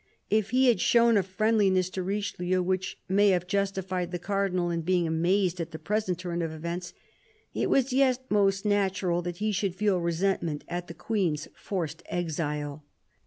If he had shown a friendliness to Richelieu which may have justified the Cardinal in being amazed at the present turn of events, it was yet most natural that he should feel resentment at the Queen's forced exile.